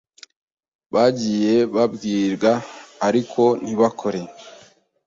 bagiye babimbwira ariko ntibabikore